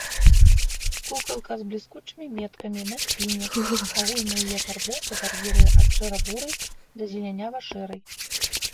Кукалка з бліскучымі меткамі на спіне, агульная яе афарбоўка вар'іруе ад шэра-бурай да зелянява-шэрай.